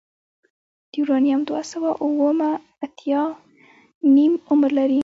د یورانیم دوه سوه اوومه اتیا نیم عمر لري.